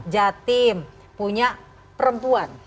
jatim punya perempuan